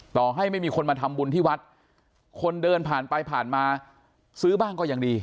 ต่อให้ไม่มีคนมาทำบุญที่วัดคนเดินผ่านไปผ่านมาซื้อบ้างก็ยังดี